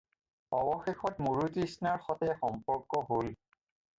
অৱশেষত মৰুতৃষ্ণাৰ সতে সম্পৰ্ক হ'ল।